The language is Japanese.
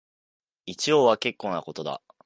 一応は結構なことだ